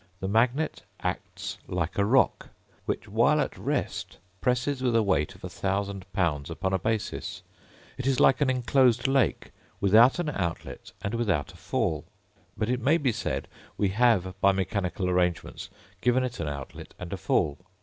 The magnet acts like a rock, which while at rest presses with a weight of a thousand pounds upon a basis; it is like an inclosed lake, without an outlet and without a fall. But it may be said, we have, by mechanical arrangements, given it an outlet and a fall.